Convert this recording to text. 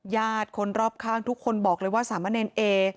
ญาติคนรอบข้างทุกคนบอกเลยว่าสามะเนรเอ